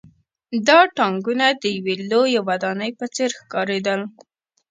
دا ټانکونه د یوې لویې ودانۍ په څېر ښکارېدل